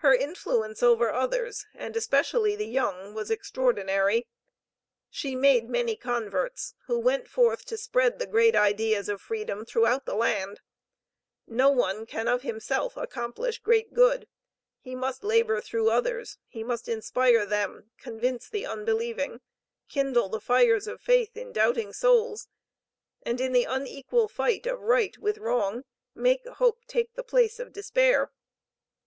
Her influence over others, and especially the young, was extraordinary. She made many converts, who went forth to spread the great ideas of freedom throughout the land. No one can of himself accomplish great good. He must labor through others, he must inspire them, convince the unbelieving, kindle the fires of faith in doubting souls, and in the unequal fight of Right with Wrong make Hope take the place of despair.